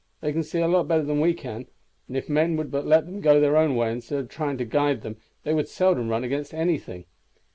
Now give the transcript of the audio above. They can see a lot better than we can, and if men would but let them go their own way instead of trying to guide them they would seldom run against anything.